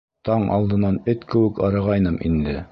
Таң алдынан эт кеүек арығайным инде.